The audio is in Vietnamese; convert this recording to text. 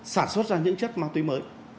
sản xuất ra những chất ma túy mới